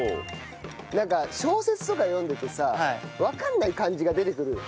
なんか小説とか読んでてさわからない漢字が出てくるでしょ。